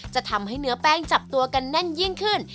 จะทำให้เนื้อแป้งจับตัวกันแน่นยิ่งขึ้น